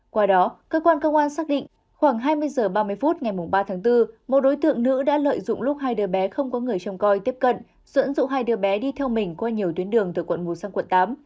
qua đó cơ quan công an xác định khoảng hai mươi h ba mươi phút ngày ba tháng bốn một đối tượng nữ đã lợi dụng lúc hai đứa bé không có người trông coi tiếp cận dẫn dụ hai đứa bé đi theo mình qua nhiều tuyến đường từ quận một sang quận tám